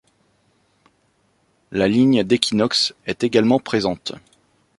La ligne d'équinoxe est également présente.